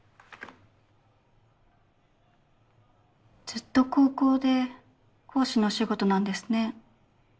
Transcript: ずっと高校で講師のお仕事なんですね。